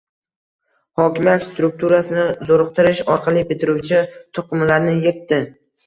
hokimiyat strukturasini zo‘riqtirish orqali biriktiruvchi to‘qimalarni yirtdi